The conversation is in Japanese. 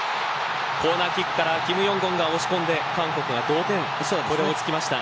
コーナーキックからキム・ヨングォンが押し込んで韓国が同点これ追い付きました。